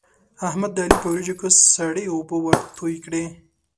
احمد د علي په وريجو کې سړې اوبه ورتوی کړې.